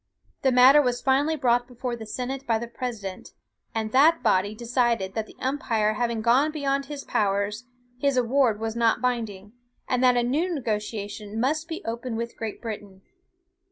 The matter was finally brought before the senate by the President, and that body decided that the umpire having gone beyond his powers, his award was not binding; and that a new negotiation must be opened with Great Britain.